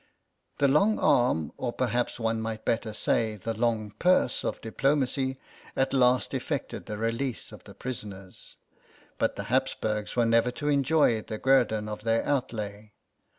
The long arm, or perhaps one might better CROSS CURRENTS 105 say the long purse, of diplomacy at last effected the release of the prisoners, but the Habsburgs were never to enjoy the guerdon of their outlay.